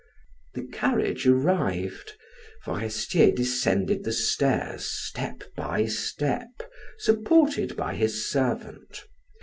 The carriage arrived, Forestier descended the stairs, step by step, supported by his servant.